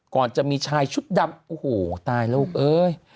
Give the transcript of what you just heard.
ก่อนจะมีชายชุดดำโอ้โหตายแล้วลูกเอ้ย